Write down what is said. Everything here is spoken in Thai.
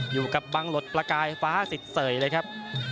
อยู่กับบังหลดประกายฟ้าสิทเสยเลยครับ